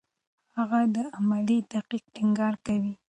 هغه د علمي دقت ټینګار کوي.